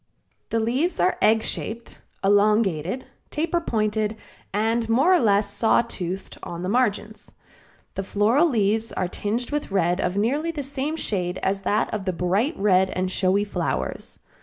The leaves are egg shaped, elongated, taper pointed and more or less saw toothed on the margins. The floral leaves are tinged with red of nearly the same shade as that of the bright red and showy flowers.